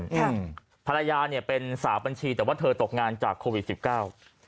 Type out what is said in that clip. อืมภรรยาเนี้ยเป็นสาวบัญชีแต่ว่าเธอตกงานจากโควิดสิบเก้า